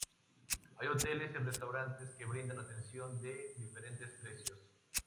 Hay hoteles y restaurantes que brindan atención de diferentes precios.